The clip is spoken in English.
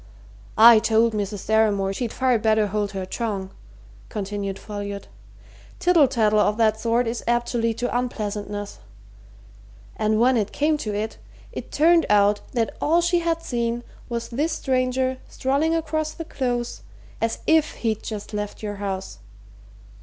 "I told Mrs. Deramore she'd far better hold her tongue," continued Folliot. "Tittle tattle of that sort is apt to lead to unpleasantness. And when it came to it, it turned out that all she had seen was this stranger strolling across the Close as if he'd just left your house.